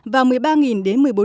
và một mươi ba đến một mươi bốn